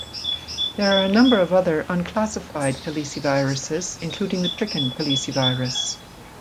There are a number of other unclassified caliciviruses including the chicken calicivirus.